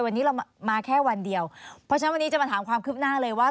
วันนี้เรามาแค่วันเดียวเพราะฉะนั้นวันนี้จะมาถามความคืบหน้าเลยว่า